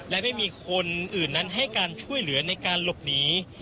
และไม่มีคนอื่นนั้นให้การช่วยเหลือในการหลบหนี